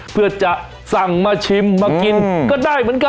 เพื่อจะสั่งมาชิมมากินก็ได้เหมือนกัน